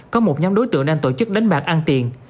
có một nhóm đối tượng đang tổ chức đánh bạc ăn tiền